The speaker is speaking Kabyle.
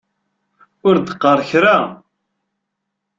Ur d-qqaṛ kra.